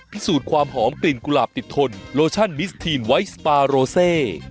พิสูจน์ความหอมกลิ่นกุหลาบติดทนโลชั่นมิสทีนไวท์สปาโรเซ